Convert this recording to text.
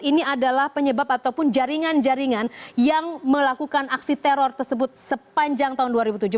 ini adalah penyebab ataupun jaringan jaringan yang melakukan aksi teror tersebut sepanjang tahun dua ribu tujuh belas